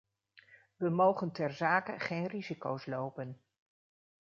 We mogen terzake geen risico's lopen.